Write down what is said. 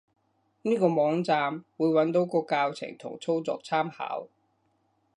呢個網站，會揾到個教程同操作參考